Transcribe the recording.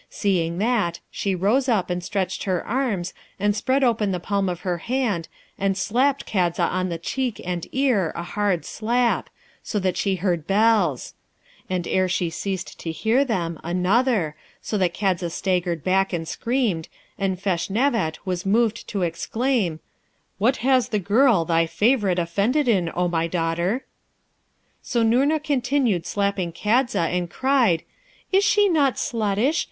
Seeing that, she rose up, and stretched her arms, and spread open the palm of her hand, and slapped Kadza on the cheek and ear a hard slap, so that she heard bells; and ere she ceased to hear them, another, so that Kadza staggered back and screamed, and Feshnavat was moved to exclaim, 'What has the girl, thy favourite, offended in, O my daughter?' So Noorna continued slapping Kadza, and cried, 'Is she not sluttish?